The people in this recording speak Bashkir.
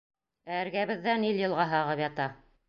Ә эргәбеҙҙә Нил йылғаһы ағып ята.